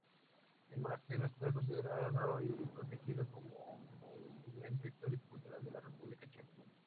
El monasterio está considerado y protegido como monumento histórico cultural de la República Checa.